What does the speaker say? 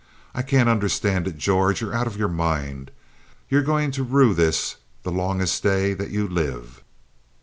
I can't understand it, George. You're out of your mind. You're going to rue this the longest day that you live."